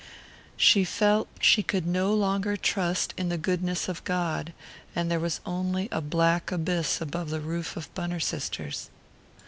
She felt she could no longer trust in the goodness of God, and there was only a black abyss above the roof of Bunner Sisters.